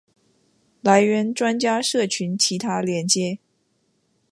来源专家社群其他连结